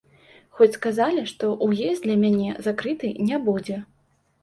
Хоць сказалі, што ўезд для мяне закрыты не будзе.